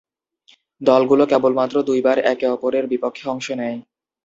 দলগুলো কেবলমাত্র দুইবার একে-অপরের বিপক্ষে অংশ নেয়।